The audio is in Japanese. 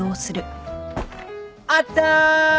あったー！